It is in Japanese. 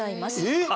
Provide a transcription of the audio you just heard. えっ！